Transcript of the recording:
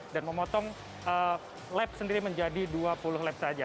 dan memotong lap sendiri menjadi dua puluh lap saja